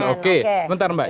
oke bentar mbak